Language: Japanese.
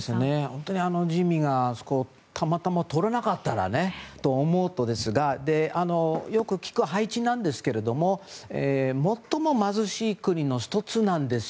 本当にジミーがあそこをたまたま通らなかったらと思うとですがよく聞くハイチなんですが最も貧しい国の１つなんです。